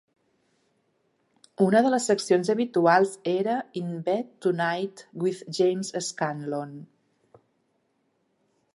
Una de les seccions habituals era "In Bed Tonight with James Scanlon".